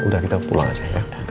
udah kita pulang aja ya